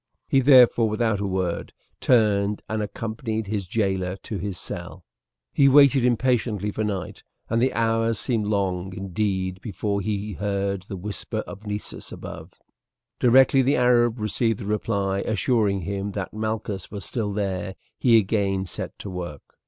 He therefore without a word turned and accompanied his jailer to his cell. He waited impatiently for night, and the hours seemed long indeed before he heard the whisper of Nessus above. Directly the Arab received the reply, assuring him that Malchus was still there, he again set to work.